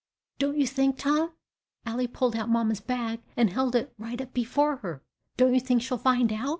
Don't you think, Tom, Ally pulled out mamma's bag, and held it right up before her! Don't you think she'll find out?"